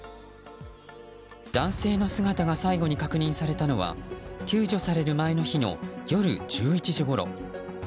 男性の姿が最後に確認されたのは救助される前の日の夜１１時ごろ。